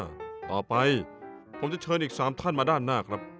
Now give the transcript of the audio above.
ทั้งห้าต่อไปผมจะเชิญอีกสามท่านมาด้านหน้าครับ